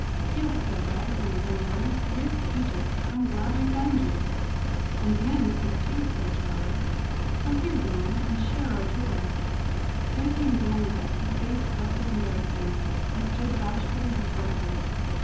"Yes!" said Rags in his own way. "Dear Teacher! I'm glad I found you!" "And Dan is here, too," said Charles. "Come here, Dan, and share our joy." Then came Daniel, his face red with embarrassment, and stood bashfully before her.